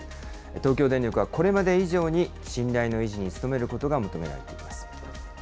東京電力はこれまで以上に信頼の維持に努めることが求められています。